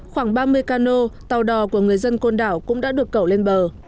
khoảng ba mươi cano tàu đò của người dân côn đảo cũng đã được cẩu lên bờ